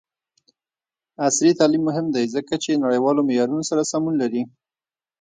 عصري تعلیم مهم دی ځکه چې نړیوالو معیارونو سره سمون لري.